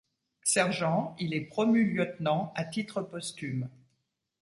Sergent, il est promu lieutenant à titre posthume.